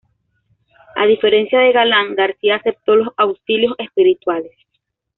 A diferencia de Galán, García aceptó los auxilios espirituales.